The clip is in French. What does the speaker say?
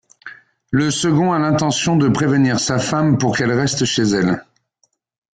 Le second a l'intention de prévenir sa femme pour qu'elle reste chez elle.